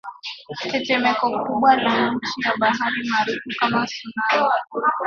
tetemeko kubwa la chini ya bahari maarufu kama sunami